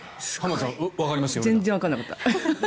全然わからなかった。